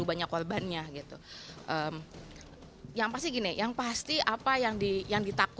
berita yang menarik